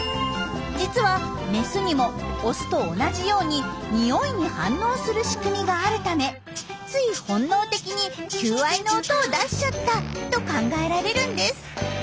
実はメスにもオスと同じようににおいに反応する仕組みがあるためつい本能的に求愛の音を出しちゃったと考えられるんです。